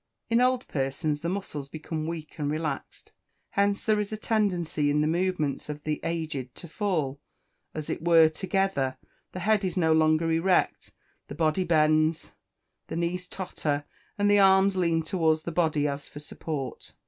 In old persons the muscles become weak and relaxed; hence there is a tendency in the movements of the aged to fall, as it were, together; the head is no longer erect, the body bends, the knees totter, and the arms lean towards the body as for support.